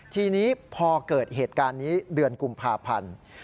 ทีนี้พอเกิดเหตุการณ์นี้เดือนกุมภาพันธ์